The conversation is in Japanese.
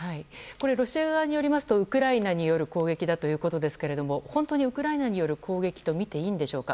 ロシア側によりますとウクライナによる攻撃だということですが本当にウクライナによる攻撃とみていいのでしょうか。